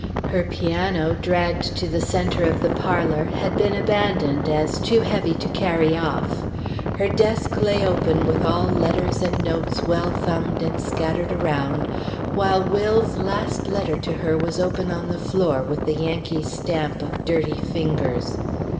Her piano, dragged to the centre of the parlor, had been abandoned as too heavy to carry off; her desk lay open with all letters and notes well thumbed and scattered around, while Will's last letter to her was open on the floor, with the Yankee stamp of dirty fingers.